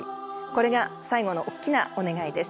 これが最後のおっきなお願いです。